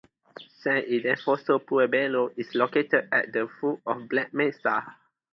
San Ildefonso Pueblo is located at the foot of Black Mesa.